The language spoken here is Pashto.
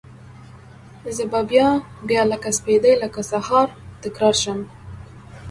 زه به بیا، بیا لکه سپیدې لکه سهار، تکرار شم